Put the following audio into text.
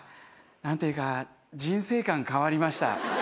何というか人生観変わりました。